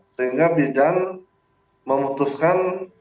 sehingga bidang memutuskan